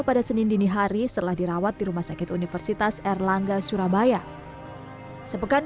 pada senin dini hari setelah dirawat di rumah sakit universitas erlangga surabaya sepekan